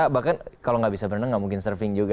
bahkan kalau gak bisa berenang gak mungkin surfing juga